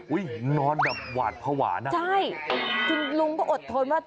อุ๊ยนอนแบบหวาดพระหวานอ่ะจุดลุงก็อดทนว่า